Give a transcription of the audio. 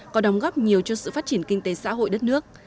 có đóng góp nhiều cho sự phát triển kinh tế xã hội đất nước